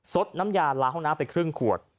ดน้ำยาลาห้องน้ำไปครึ่งขวด